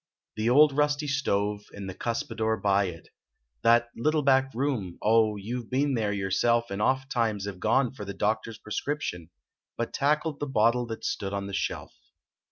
The old rusty stove and the cuspidore by it, That little back room, Oh ! you ve been there yourself And oft times have gone for the doctor s prescription, But tackled the bottle that stood on the shelf.